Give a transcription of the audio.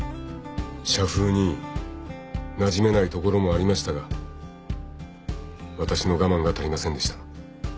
社風になじめないところもありましたがわたしの我慢が足りませんでした。